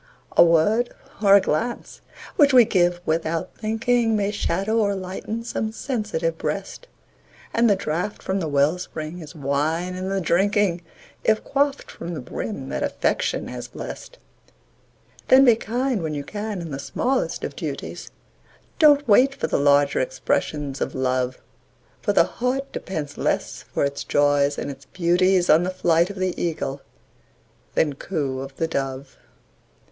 A word or a glance which we give "without thinking", May shadow or lighten some sensitive breast; And the draught from the well spring is wine in the drinking, If quaffed from the brim that Affection has blest. Then be kind when you can in the smallest of duties, Don't wait for the larger expressions of Love; For the heart depends less for its joys and its beauties On the flight of the Eagle than coo of the Dove.